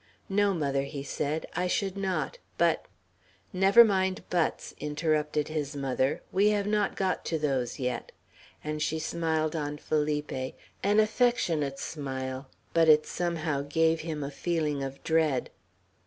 "No, mother," he said, "I should not; but " "Never mind buts," interrupted his mother; "we have not got to those yet;" and she smiled on Felipe, an affectionate smile, but it somehow gave him a feeling of dread.